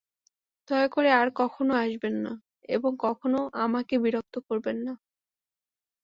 দয়া করে আর কখনো আসবেন না এবং কখনো আমাকে বিরক্ত করবেন না।